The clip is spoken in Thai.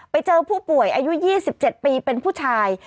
ไปเจอผู้ป่วยอายุ๒๗ปีเป็นผู้ชาย